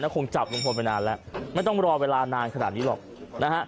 คงจับลุงพลไปนานแล้วไม่ต้องรอเวลานานขนาดนี้หรอกนะฮะ